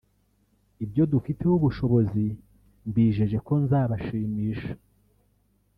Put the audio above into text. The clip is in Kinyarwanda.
ibyo dufiteho ubushobozi mbijeje ko nzabashimisha